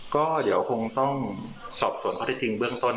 ก็เดี๋ยวคงต้องสอบส่วนข้อที่จริงเบื้องต้น